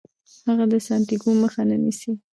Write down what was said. هغه د سانتیاګو مخه نه نیسي.